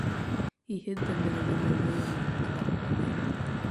He hid them in an inner room and locked them in.